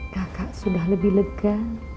kakak sudah lebih lega